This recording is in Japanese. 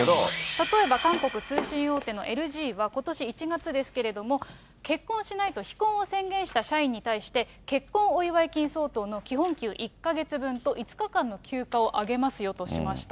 例えば韓国通信大手のＬＧは、ことし１月ですけれども、結婚しないと非婚を宣言した社員に対して、結婚お祝い金相当の基本給１か月分と５日間の休暇をあげますよとしました。